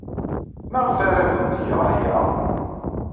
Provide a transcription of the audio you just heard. Maɣef ara awent-geɣ aya?